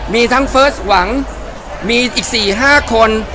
มีทั้งเฟิร์สหวังมีอีก๔๕คน